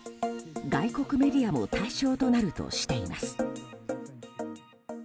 外国メディアも対象となるとしています。